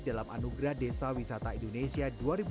dalam anugerah desa wisata indonesia dua ribu dua puluh